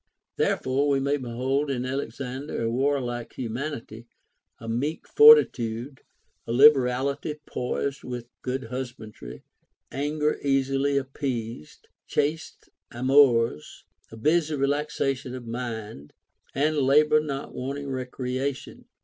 Therefore we may behold in xllexander a warlike humanity, a meek for titude, a liberality poised with good husbandry, anger easily appeased, chaste amours, a busy relaxation of mind, and labor not wanting recreation.